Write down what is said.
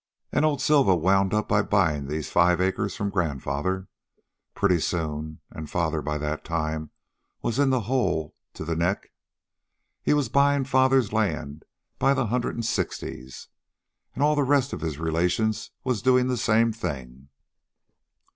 "An' old Silva wound up by buyin' these five acres from grandfather. Pretty soon an' father by that time was in the hole to the neck he was buyin' father's land by the hundred an' sixties. An' all the rest of his relations was doin' the same thing.